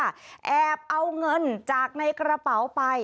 แอบเอาเงินจากในกระเป๋าไป